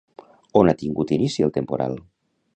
On ha tingut inici el temporal?